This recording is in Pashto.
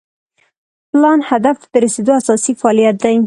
پلان هدف ته د رسیدو اساسي فعالیت دی.